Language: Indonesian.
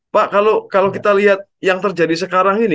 pak kalau kita lihat yang terjadi sekarang ini